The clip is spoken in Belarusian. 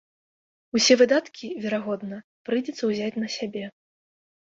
Усе выдаткі, верагодна, прыйдзецца ўзяць на сябе.